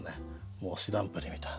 もう知らんぷりみたいな。